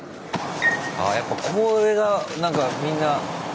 ああやっぱこれが何かみんなやるんだ。